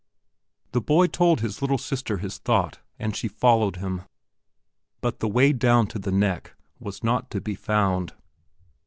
The boy told his little sister his thought and she followed him. But the way down to the "neck" was not to be found.